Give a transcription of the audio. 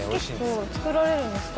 結構作られるんですか？